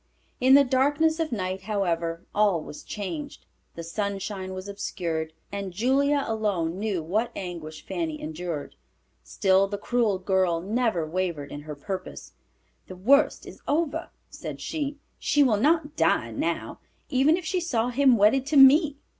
In the darkness of night however, all was changed. The Sunshine was obscured, and Julia alone knew what anguish Fanny endured. Still the cruel girl never wavered in her purpose. "The worst is over," said she. "She will not die now, even if she saw him wedded to me."